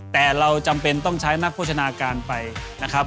แต่เราจำเป็นต้องใช้นักโภชนาการไปนะครับ